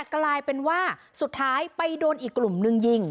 กลายเป็นว่าสุดท้ายไปโดนอีกกลุ่มนึงยิง